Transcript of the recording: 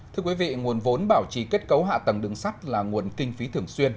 thưa quý vị nguồn vốn bảo trì kết cấu hạ tầng đường sắt là nguồn kinh phí thường xuyên